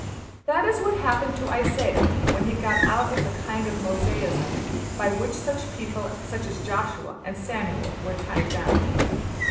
That is what happened to Isaiah when he got out of the kind of Mosaism by which such people as Joshua and Samuel were tied down.